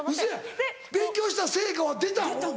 ウソやん勉強した成果は出た？